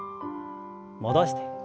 戻して。